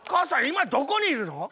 今どこにいるの？